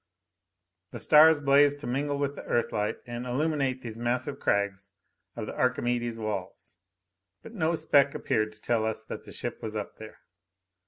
The stars blazed to mingle with the Earthlight and illumine these massive crags of the Archimedes walls. But no speck appeared to tell us that the ship was up there.